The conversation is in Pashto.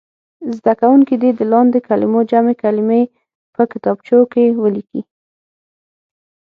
زده کوونکي دې د لاندې کلمو جمع کلمې په کتابچو کې ولیکي.